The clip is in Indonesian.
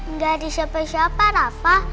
nggak ada siapa siapa rafa